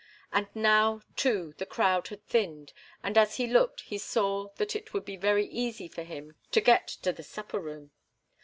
And now, too, the crowd had thinned, and as he looked he saw that it would be very easy for him to get to the supper room.